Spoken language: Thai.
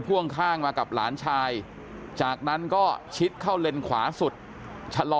พ่วงข้างมากับหลานชายจากนั้นก็ชิดเข้าเลนขวาสุดชะลอ